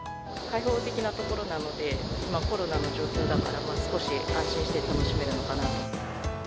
開放的な所なので、コロナの状況だから、少し安心して楽しめるのかなと。